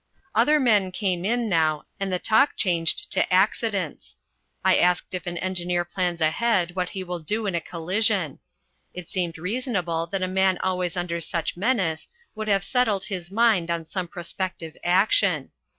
Other men came in now, and the talk changed to accidents. I asked if an engineer plans ahead what he will do in a collision. It seemed reasonable that a man always under such menace would have settled his mind on some prospective action.